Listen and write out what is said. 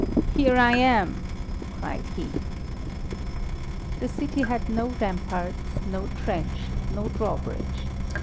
"Here I am!" cried he. The city had no ramparts, no trench, no drawbridge.